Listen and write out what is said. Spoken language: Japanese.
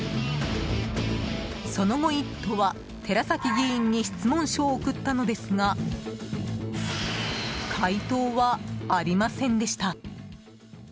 その後、「イット！」は寺崎議員に質問書を送ったのですが回答はありませんでした。